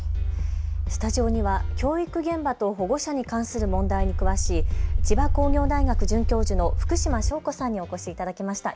スタジオには教育現場と保護者に関する問題に詳しい千葉工業大学准教授の福嶋尚子さんにお越しいただきました。